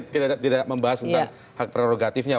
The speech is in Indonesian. kita tidak membahas tentang hak prerogatifnya